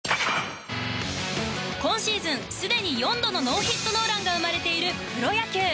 今シーズン、すでに４度のノーヒット・ノーランが生まれているプロ野球。